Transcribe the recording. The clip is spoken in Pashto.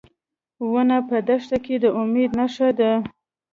ونه په دښته کې د امید نښه ده.